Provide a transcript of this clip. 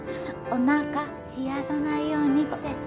おなか冷やさないようにって。